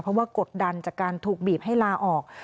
เพราะว่ากดดันจากการถูกบีบให้ลาออก